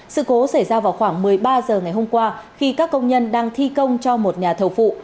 sự cố xảy ra vào khoảng một mươi ba h ngày hôm qua khi các công nhân đang thi công cho một nhà thầu phụ